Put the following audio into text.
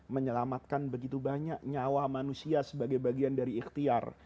menyelamatkan begitu banyak nyawa manusia sebagai bagian dari ikhtiar